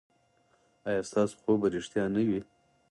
ایا ستاسو خوب به ریښتیا نه وي؟